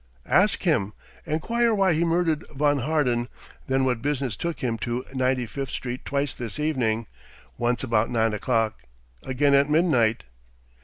"Ask him, enquire why he murdered von Harden, then what business took him to Ninety fifth Street twice this evening once about nine o'clock, again at midnight."